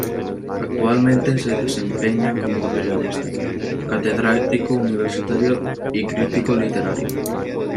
Actualmente se desempeña como periodista, catedrático universitario y crítico literario.